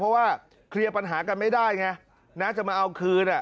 เพราะว่าเคลียร์ปัญหากันไม่ได้ไงนะจะมาเอาคืน